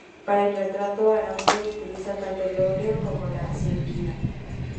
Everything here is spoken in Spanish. Para el retrato, Aramburu utiliza tanto el óleo como la sanguina.